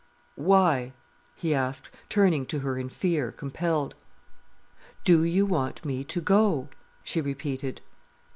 "Why?" he asked, turning to her in fear, compelled. "Do you want me to go?" she repeated.